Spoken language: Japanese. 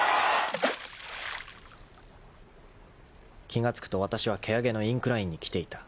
［気が付くとわたしは蹴上のインクラインに来ていた］